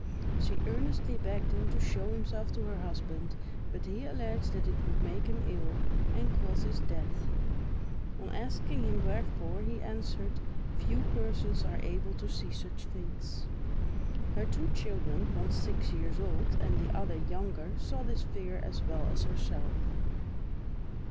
She earnestly begged him to show himself to her husband, but he alleged that it would make him ill, and cause his death. On asking him wherefore, he answered, "Few persons are able to see such things." Her two children, one six years old, and the other younger, saw this figure as well as herself.